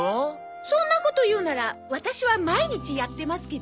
そんなこと言うならワタシは毎日やってますけど。